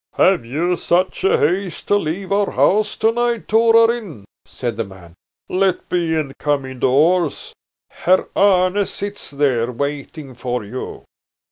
"Have you such haste to leave our house tonight, Torarin?" said the man. "Let be and come indoors! Herr Arne sits there waiting for you."